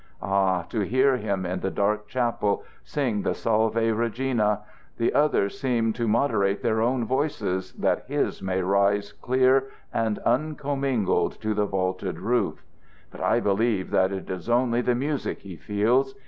Ah, to hear him, in the dark chapel, sing the Salve Regina! The others seem to moderate their own voices, that his may rise clear and uncommingled to the vaulted roof. But I believe that it is only the music he feels.